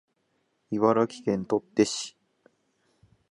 茨城県取手市